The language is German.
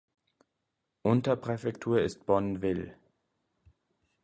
Unterpräfektur ist Bonneville.